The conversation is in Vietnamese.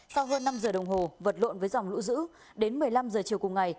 sau hơn năm giờ đồng hồ vật lộn với dòng lũ dữ đến một mươi năm giờ chiều cùng ngày